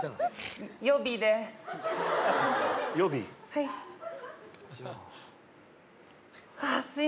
はい。